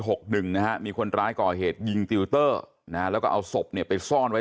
หนึ่งนะฮะมีคนร้ายก่อเหตุยิงติวเตอร์นะฮะแล้วก็เอาศพเนี่ยไปซ่อนไว้